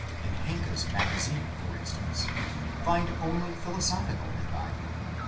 in Henke's Magazine for instance, find only philosophical mythi.